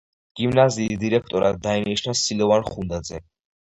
გიმნაზიის დირექტორად დაინიშნა სილოვან ხუნდაძე.